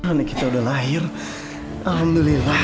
anak kita udah lahir alhamdulillah